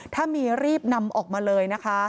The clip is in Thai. ถ้ามีรีบนำออกมาเลยนะคะ